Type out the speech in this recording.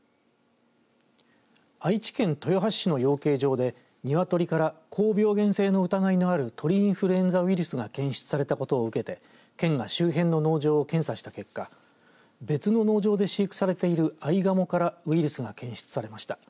愛知県豊橋市の養鶏場で鶏から高病原性の疑いのある鳥インフルエンザウイルスが検出されたことを受けて県が周辺の農場を検査した結果別の農場で飼育されているアイガモからウイルスが検出されました。